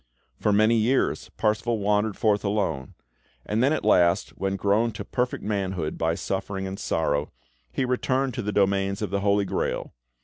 For many years Parsifal wandered forth alone; and then at last, when grown to perfect manhood by suffering and sorrow, he returned to the domains of the Holy Grail.